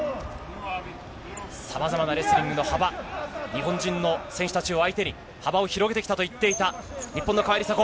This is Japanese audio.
さまざまなレスリングの幅、日本人の選手たちを相手に、幅を広げてきたと言っていた、日本の川井梨紗子。